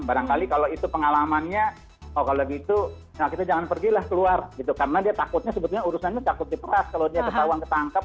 barangkali kalau itu pengalamannya kalau gitu kita jangan pergilah keluar gitu karena dia takutnya sebetulnya urusannya takut diperas kalau dia ketahuan ketangkap